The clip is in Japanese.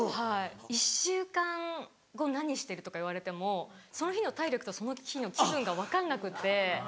「１週間後何してる？」とか言われてもその日の体力とその日の気分が分かんなくて。